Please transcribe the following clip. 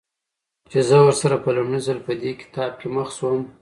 چې زه ورسره په لومړي ځل په دې کتاب کې مخ شوم.